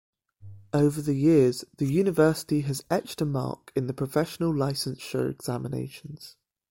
Over the years, the University has etched a mark in professional licensure examinations.